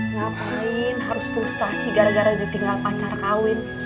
ngapain harus frustasi gara gara ditinggal pacar kawin